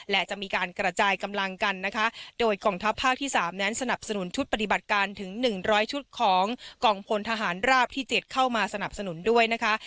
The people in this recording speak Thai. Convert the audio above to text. และจะมีการกระจายกำลังกันนะคะโดยกองทัพภาคที่๓นั้นสนับสนุนชุดปฏิบัติการถึง๑๐๐ชุดของกองพลทหารราบที่๗เข้ามาสนับสนุนด้วยนะคะ